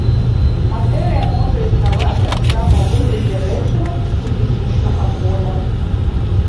Матэрыя можа існаваць таксама ў выглядзе рэчыва і фізічнага поля.